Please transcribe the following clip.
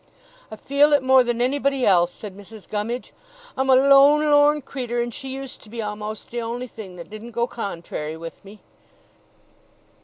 'I feel it more than anybody else,' said Mrs. Gummidge; 'I'm a lone lorn creetur', and she used to be a'most the only thing that didn't go contrary with me.